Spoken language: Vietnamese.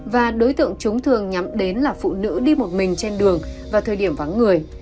và đối tượng chúng thường nhắm đến là phụ nữ đi một mình trên đường vào thời điểm vắng người